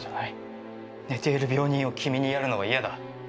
寝ている病人を君に遣るのは厭だ。